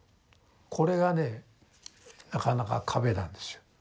これがねなかなか壁なんですよ。